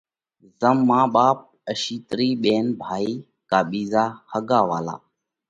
زم مان، ٻاپ، اشِيترئِي، ٻينَ، ڀائِي ڪا ٻِيزا ۿڳا والا۔